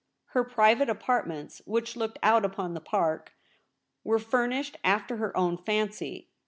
Her private apartments; which looked out upon the Park, were fur nished after her own fancy.